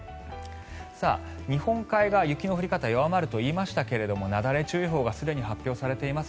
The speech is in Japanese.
日本海側、雪の降り方弱まるといいましたがなだれ注意報がすでに発表されています。